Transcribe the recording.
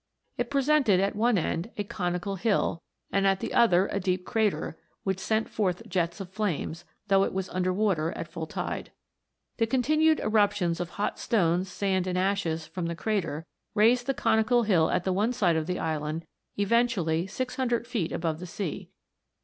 It presented at one end a conical hill, and at the other a deep crater, which sent forth jets of flames, though it was under water at full tide. The ' O continued eruptions of hot stones, sand, and ashes, from the crater, raised the conical hill at the one side of the island eventually six hundred feet above 304 PLUTO'S KINGDOM. the sea.